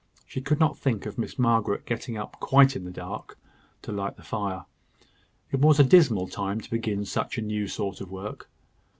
She could not think of Miss Margaret getting up quite in the dark, to light the fire; it was a dismal time to begin such a new sort of work.